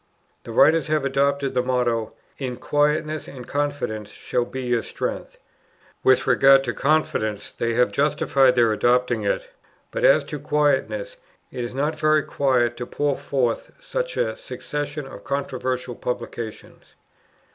The writers have adopted the motto, 'In quietness and confidence shall be your strength.' With regard to confidence, they have justified their adopting it; but as to quietness, it is not very quiet to pour forth such a succession of controversial publications."